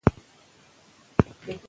کورنۍ او ټولنیز جوړښتونه بدلېږي.